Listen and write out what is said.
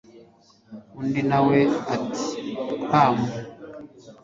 undi nawe ati hhm